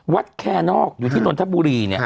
วัดแคร์นอกอยู่ที่นทบุรีเนี่ย